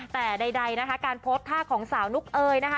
อ๋อแต่ใดการโพสท์ภาคของสาวนุกเอยนะฮะ